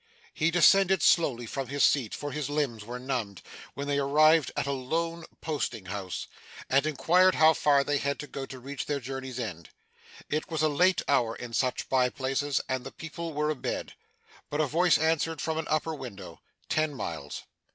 He descended slowly from his seat for his limbs were numbed when they arrived at a lone posting house, and inquired how far they had to go to reach their journey's end. It was a late hour in such by places, and the people were abed; but a voice answered from an upper window, Ten miles.